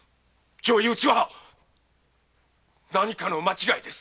上意討ちは何かの間違いです